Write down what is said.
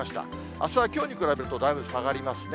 あすはきょうに比べると、だいぶ下がりますね。